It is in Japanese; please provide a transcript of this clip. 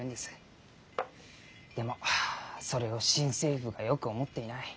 でもそれを新政府がよく思っていない。